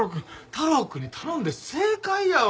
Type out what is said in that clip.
太郎くんに頼んで正解やわ！